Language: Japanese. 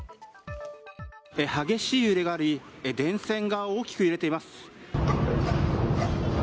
激しい揺れがあり、電線が大きく揺れています。